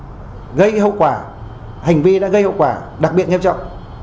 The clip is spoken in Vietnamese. các đối tượng mà gây hậu quả hành vi đã gây hậu quả đặc biệt nghiêm trọng